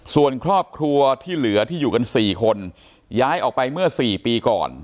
ส่วนครอบครัวที่เหลือที่อยู่กัน๔คนย้ายออกไปเมื่อ๔ปีก่อน